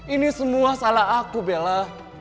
ini semua salah aku bella